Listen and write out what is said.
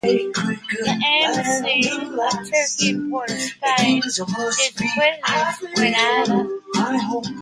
The Embassy of Turkey in Port of Spain is accredited to Grenada.